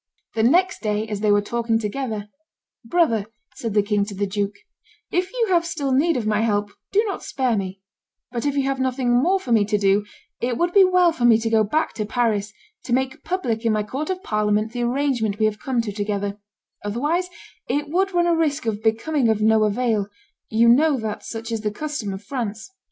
The next day, as they were talking together, "Brother," said the king to the duke, "if you have still need of my help, do not spare me; but if you have nothing more for me to do, it would be well for me to go back to Paris, to make public in my court of parliament the arrangement we have come to together; otherwise it would run a risk of becoming of no avail; you know that such is the custom of France.